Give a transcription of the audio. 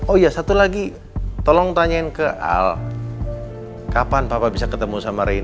oh iya satu lagi tolong tanyain ke al kapan papa bisa ketemu sama rein